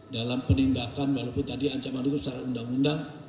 dalam penindakan walaupun tadi ancaman hukum secara undang undang